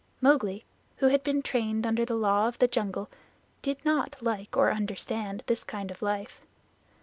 Mowgli, who had been trained under the Law of the Jungle, did not like or understand this kind of life.